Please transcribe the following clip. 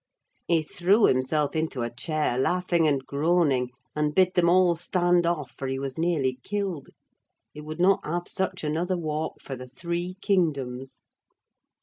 He threw himself into a chair, laughing and groaning, and bid them all stand off, for he was nearly killed—he would not have such another walk for the three kingdoms.